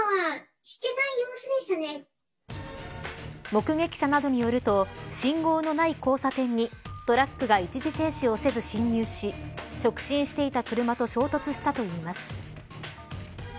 目撃者などによると信号のない交差点にトラックが一時停止をせず進入し直進していた車と衝突したといいます。